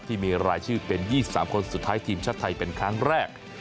ที่มีรายชื่อเป็น๒๓คนสุดท้ายทีมชาติไทยเป็นครั้งแรก